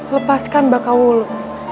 lepaskan baka wuli